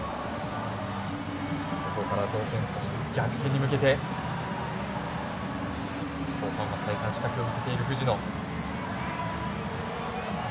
ここから同点、そして逆転に向けて後半は再三仕掛けを見せている藤野。